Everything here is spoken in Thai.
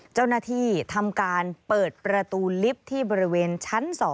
เจ้าหน้าที่ทำการเปิดประตูลิฟท์ที่บริเวณชั้น๒